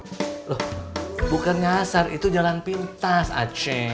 loh bukan nyasar itu jalan pintas aceh